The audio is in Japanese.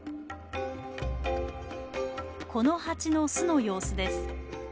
このハチの巣の様子です。